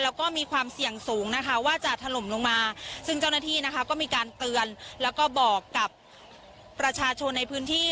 แล้วก็มีความเสี่ยงสูงนะคะว่าจะถล่มลงมาซึ่งเจ้าหน้าที่นะคะก็มีการเตือนแล้วก็บอกกับประชาชนในพื้นที่